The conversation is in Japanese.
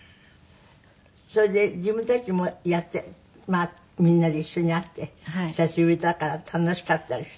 それで自分たちもやってまあみんなで一緒に会って久しぶりだから楽しかったりして。